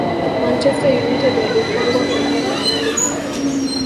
manchester united walifungwa kwenye fainali